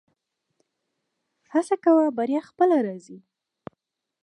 هڅه کوه بریا خپله راځي